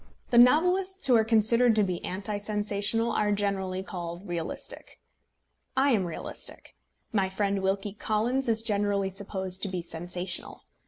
The novelists who are considered to be anti sensational are generally called realistic. I am realistic. My friend Wilkie Collins is generally supposed to be sensational.